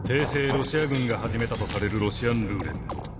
ロシア軍が始めたとされるロシアンルーレット。